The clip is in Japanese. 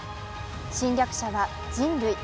侵略者は、人類。